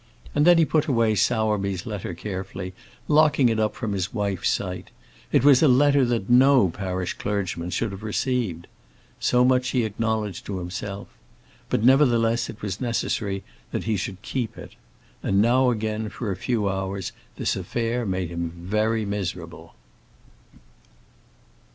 And then he put away Sowerby's letter carefully, locking it up from his wife's sight. It was a letter that no parish clergyman should have received. So much he acknowledged to himself. But nevertheless it was necessary that he should keep it. And now again for a few hours this affair made him very miserable.